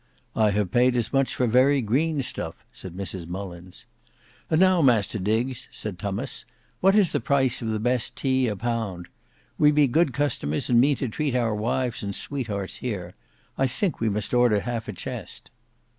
"I have paid as much for very green stuff," said Mrs Mullins. "And now Master Diggs," said Tummas, "what is the price of the best tea a pound? We be good customers, and mean to treat our wives and sweethearts here. I think we must order half a chest."